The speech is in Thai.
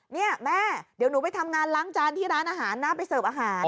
เนี่ยแม่เดี๋ยวหนูไปทำงานล้างจานที่ร้านอาหารนะไปเสิร์ฟอาหาร